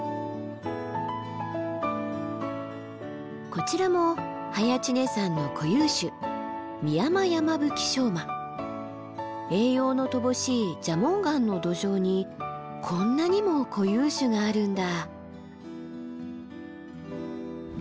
こちらも早池峰山の固有種栄養の乏しい蛇紋岩の土壌にこんなにも固有種があるんだ。